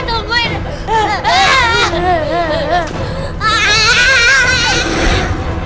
zara buka masukin